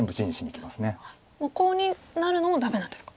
コウになるのもダメなんですか。